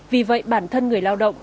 vì vậy bản thân người lao động